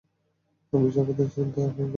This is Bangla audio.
আপনি যা করতে চান, তা এখন এককথায় অসম্ভব।